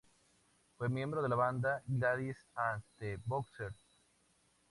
Fue miembro de la banda 'Gladys and The Boxers'.